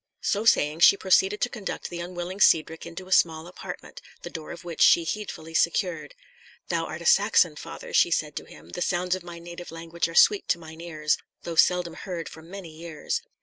So saying, she proceeded to conduct the unwilling Cedric into a small apartment, the door of which she heedfully secured. "Thou art a Saxon, father," she said to him; "the sounds of my native language are sweet to mine ears, though seldom heard for many years."